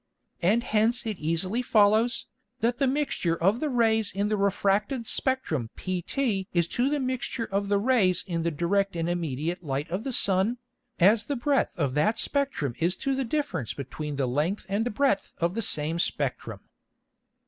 And hence it easily follows, that the Mixture of the Rays in the refracted Spectrum pt is to the Mixture of the Rays in the direct and immediate Light of the Sun, as the breadth of that Spectrum is to the difference between the length and breadth of the same Spectrum.